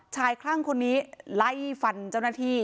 คลั่งคนนี้ไล่ฟันเจ้าหน้าที่